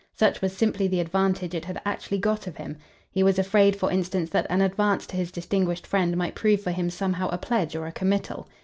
Such was simply the advantage it had actually got of him. He was afraid for instance that an advance to his distinguished friend might prove for him somehow a pledge or a committal.